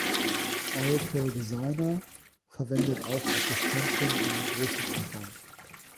Oracle Designer verwendet auch Assistenten in großem Umfang.